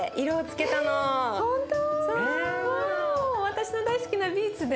私の大好きなビーツで？